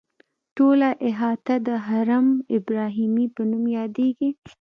ټوله احاطه د حرم ابراهیمي په نوم یادیږي.